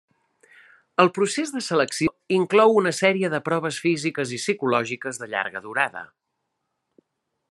El procés de selecció inclou una sèrie de proves físiques i psicològiques de llarga durada.